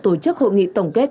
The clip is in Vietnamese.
tổ chức hội nghị tổng kết